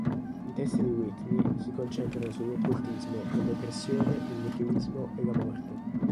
I testi di Whitney si concentrano sull'occultismo, la depressione, il nichilismo e la morte.